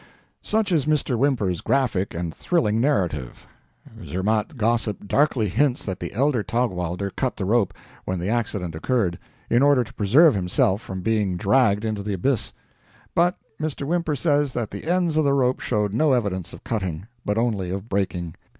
Such is Mr. Whymper's graphic and thrilling narrative. Zermatt gossip darkly hints that the elder Taugwalder cut the rope, when the accident occurred, in order to preserve himself from being dragged into the abyss; but Mr. Whymper says that the ends of the rope showed no evidence of cutting, but only of breaking.